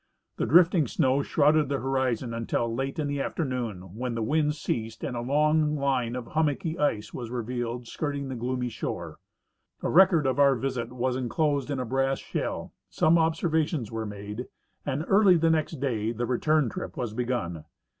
The drifting snow shrouded the horizon until late in the afternoon, when the Avind ceased and a long line of hummock}' ice was revealed skirting the gloomy shore. A record of our visit was inclosed in a brass shell, some observa tions were made, and early the next day the return trip Avas begun.